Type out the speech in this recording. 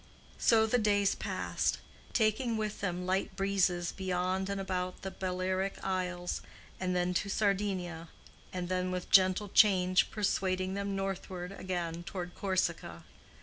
So the days passed, taking with them light breezes beyond and about the Balearic Isles, and then to Sardinia, and then with gentle change persuading them northward again toward Corsica.